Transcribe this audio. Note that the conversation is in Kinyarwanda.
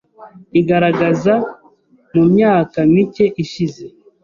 igaragaza mu myaka mike ishize